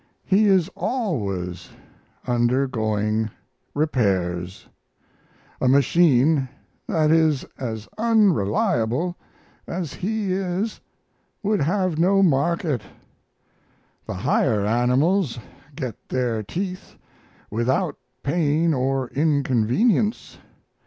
He is always under going repairs. A machine that is as unreliable as he is would have no market. The higher animals get their teeth without pain or inconvenience.